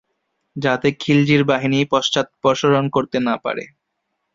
যাতে খিলজির বাহিনী পশ্চাদপসরণ করতে না পারে।